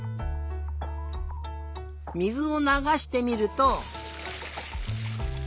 水をながしてみると。